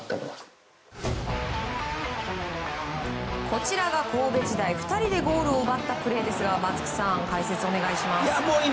こちらが神戸時代２人でゴールを奪ったプレーですが、松木さん解説お願いします。